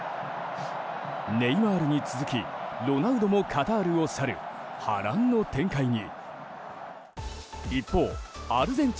ネイマールに続きロナウドもカタールを去る波乱の展開に。